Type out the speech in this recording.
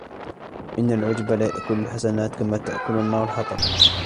إنَّ الْعُجْبَ لَيَأْكُلُ الْحَسَنَاتِ كَمَا تَأْكُلُ النَّارُ الْحَطَبَ